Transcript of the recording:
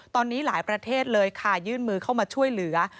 ตอนนี้หลายประเทศเลยค่ะยื่นมือเข้ามาช่วยเหลือ